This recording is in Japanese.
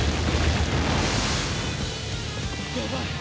やばい！